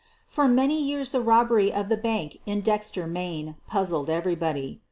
For many years the robbery of the bank in Dex ter, Maine, puzzled everybody.